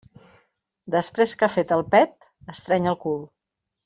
Després que ha fet el pet, estreny el cul.